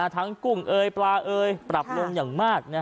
กุ้งเอยปลาเอ่ยปรับลงอย่างมาก